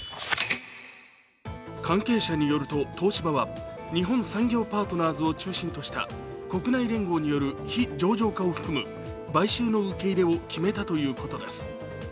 関係者によると、東芝は日本産業パートナーズを中心とした国内連合による非上場化を含む買収の受け入れを決めたということです。